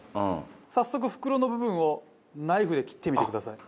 早速袋の部分をナイフで切ってみてください。